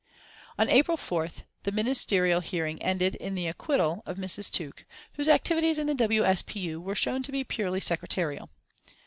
On April 4th the Ministerial hearing ended in the acquittal of Mrs. Tuke, whose activities in the W. S. P. U. were shown to be purely secretarial.